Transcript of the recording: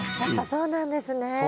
やっぱそうなんですね。